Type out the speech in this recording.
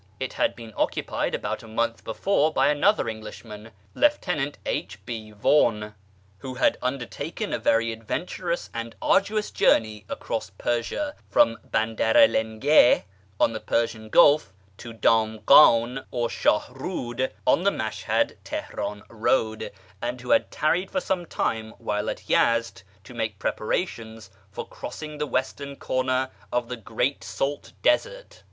It had been occupied about a month before by another Englishman, Lieutenant H. B. Vaughau, who had undertaken a very adventurous and arduous journey across Persia, from Bandar i Lingd, on the Persian Gulf, to Damghan or Shahriid, on the Mashhad Tehenin road, and who had tarried for some while at Yezd to make preparations for crossing the western corner of the great Salt Desert.